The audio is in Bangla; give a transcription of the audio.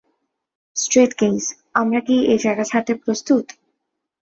স্ট্রেট গেইজ, আমরা কি এ জায়গা ছাড়তে প্রস্তুত?